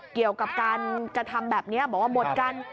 เกี่ยวกับการกระทำแบบนี้บอกว่าหมดกัน